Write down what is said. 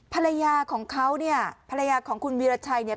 ภรรยาของเขาเนี่ยภรรยาของคุณวีรชัยเนี่ย